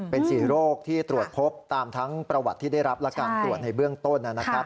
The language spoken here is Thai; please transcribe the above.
เป็น๔โรคที่ตรวจพบตามทั้งประวัติที่ได้รับและการตรวจในเบื้องต้นนะครับ